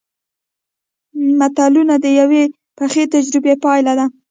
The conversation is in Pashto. متلونه د یوې پخې تجربې پایله ده